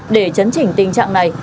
để chấn chỉnh tình trạng này